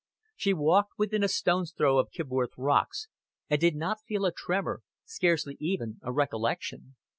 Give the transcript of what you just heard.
She walked within a stone's throw of Kibworth Rocks, and did not feel a tremor, scarcely even a recollection.